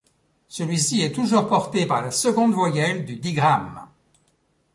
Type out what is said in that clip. Celui-ci est toujours porté par la seconde voyelle du digramme.